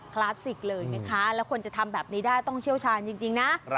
คลาสสิกเลยนะคะแล้วคนจะทำแบบนี้ได้ต้องเชี่ยวชาญจริงนะ